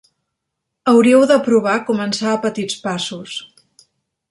Hauríeu de provar començar a petits passos.